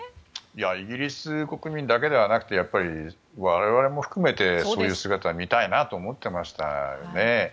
イギリス国民だけじゃなくて我々も含めて、そういう姿は見たいなと思っていましたよね。